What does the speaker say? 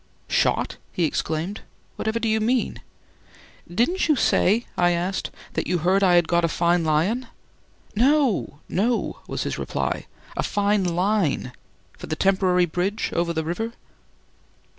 "Shot?" he exclaimed, "whatever do you mean?" "Didn't you say," I asked, "that you heard I had got a fine lion?" "No, no," was his reply; "a fine line for the temporary bridge over the river."